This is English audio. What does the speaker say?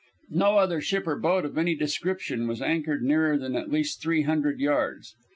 No other ship or boat of any description was anchored nearer than at least 300 yards.